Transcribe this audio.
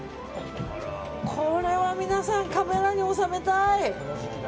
これは皆さんカメラに収めたい。